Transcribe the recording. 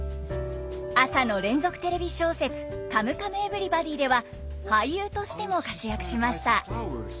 朝の連続テレビ小説「カムカムエヴリバディ」では俳優としても活躍しました。